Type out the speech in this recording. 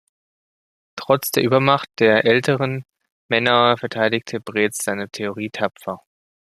Trotz der Übermacht der älteren Männer verteidigte Bretz seine Theorie tapfer.